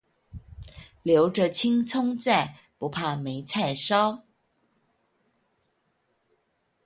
留著青蔥在，不怕沒菜燒